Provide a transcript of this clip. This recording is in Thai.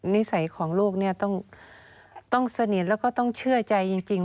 นิสัยของลูกเนี่ยต้องสนิทแล้วก็ต้องเชื่อใจจริง